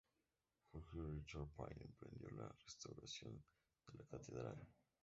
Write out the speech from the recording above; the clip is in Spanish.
George Richard Pain emprendió la restauración de la catedral.